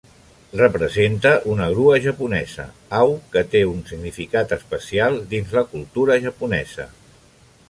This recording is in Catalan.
Representa una grua japonesa, au que té un significat especial dins la cultura japonesa.